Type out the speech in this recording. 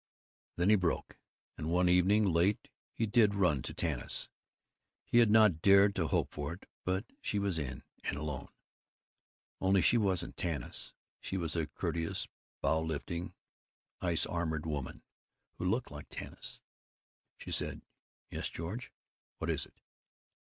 Then he broke, and one evening, late, he did run to Tanis. He had not dared to hope for it, but she was in, and alone. Only she wasn't Tanis. She was a courteous, brow lifting, ice armored woman who looked like Tanis. She said, "Yes, George, what is it?"